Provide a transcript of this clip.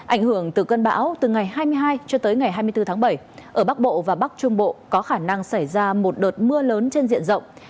ảnh hưởng từ cơn bão từ ngày hai mươi hai cho tới ngày hai mươi bốn tháng bảy ở bắc bộ và bắc trung bộ có khả năng xảy ra một đợt mưa lớn trên diện rộng